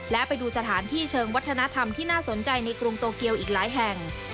และไปดูสถานที่เชิงวัฒนธรรมที่น่าสนใจในกรุงโตเกียวอีกหลายแห่ง